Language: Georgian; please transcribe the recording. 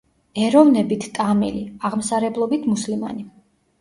ეროვნებით ტამილი, აღმსარებლობით მუსლიმანი.